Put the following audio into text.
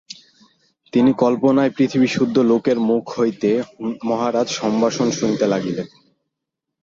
তিনি কল্পনায় পৃথিবীসুদ্ধ লোকের মুখ হইতে মহারাজ সম্ভাষণ শুনিতে লাগিলেন।